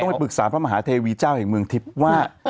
ไปปรึกษาพระมหาเทวีเจ้าแห่งเมืองทิพย์ว่า